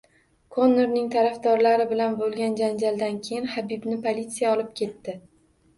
Konorning tarafdorlari bilan boʻlgan janjaldan keyin Xabibni politsiya olib ketdi.